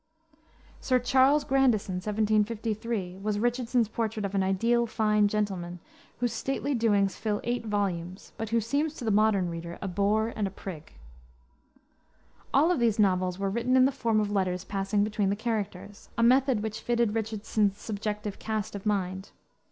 Sir Charles Grandison, 1753, was Richardson's portrait of an ideal fine gentleman, whose stately doings fill eight volumes, but who seems to the modern reader a bore and a prig. All of these novels were written in the form of letters passing between the characters, a method which fitted Richardson's subjective cast of mind.